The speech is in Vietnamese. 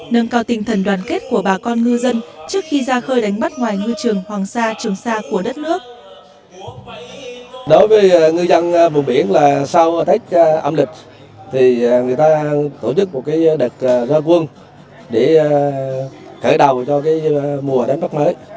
nâng cao tinh thần đoàn kết của bà con ngư dân trước khi ra khơi đánh bắt ngoài ngư trường hoàng sa trường sa của đất nước